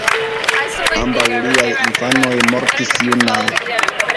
Ambaŭ liaj infanoj mortis junaj.